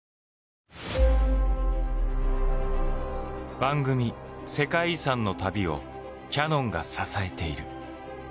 番組「世界遺産」の旅をキヤノンが支えている。